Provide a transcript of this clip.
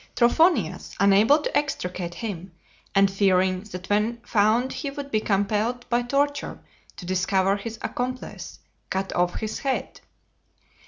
Trophonias, unable to extricate him, and fearing that when found he would be compelled by torture to discover his accomplice, cut off his head.